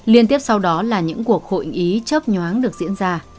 liên tiếp sau đó là những cuộc hội ý chấp nhoáng được diễn ra